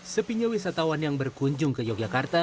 sepinya wisatawan yang berkunjung ke yogyakarta